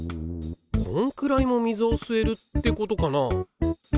こんくらいも水を吸えるってことかな？